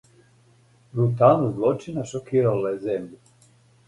Бруталност злочина шокирала је земљу.